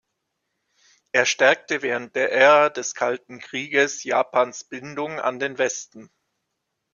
Er stärkte während der Ära des Kalten Krieges Japans Bindungen an den „Westen“.